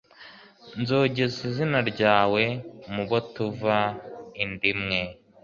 nzogeza izina ryawe mu bo tuva inda imwe